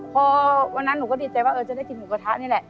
พอวันนั้นหนูก็ดีใจว่าจะได้กินหมูกระทะนี่แหละ